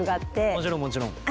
もちろんもちろん。